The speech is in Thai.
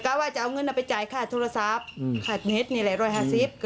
กะกะว่าจะเอาเงินมาจ่ายข้าธุรีสัพนี่แหละห้อยห้าสิบ